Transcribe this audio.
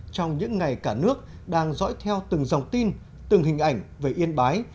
trong những ngày cả nước đang dõi theo từng dòng tin từng hình ảnh về yên bái